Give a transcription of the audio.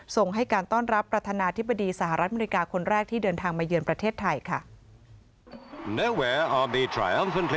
ส่งให้การต้อนรับประธานาธิบดีสหรัฐอเมริกาคนแรกที่เดินทางมาเยือนประเทศไทยค่ะ